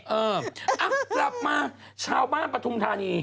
เออกลับมาชาวบ้านปฐุมธานี